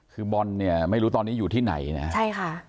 คือบอลเนี่ยไม่รู้ตอนนี้อยู่ที่ไหนนะใช่ค่ะ